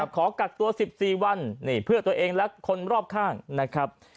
ขอกักตัว๑๔วันเพื่อตัวเองและคนรอบข้างนะครับ